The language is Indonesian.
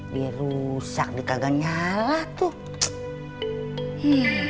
dia rusak dia kagak nyala tuh